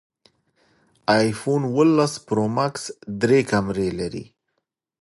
ایفون اوولس پرو ماکس درې کمرې لري